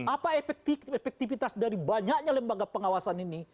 apa efektivitas dari banyaknya lembaga pengawasan ini